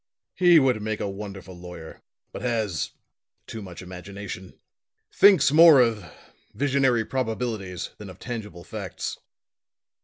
He would make a wonderful lawyer, but has too much imagination. Thinks more of visionary probabilities than of tangible facts."